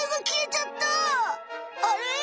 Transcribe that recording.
あれ？